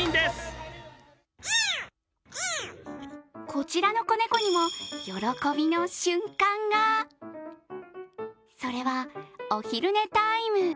こちらの子猫にも喜びの瞬間がそれはお昼寝タイム。